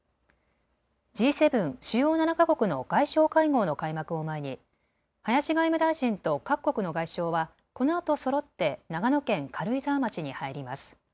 Ｇ７・主要７か国の外相会合の開幕を前に林外務大臣と各国の外相はこのあとそろって長野県軽井沢町に入ります。